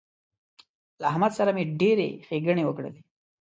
له احمد سره مې ډېرې ښېګڼې وکړلې